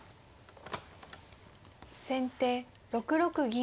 先手６六銀。